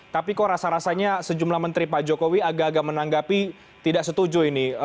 tapi kok rasa rasanya sejumlah menteri pak jokowi agak agak menanggapi tidak setuju ini